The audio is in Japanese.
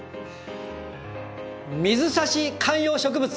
水挿し観葉植物！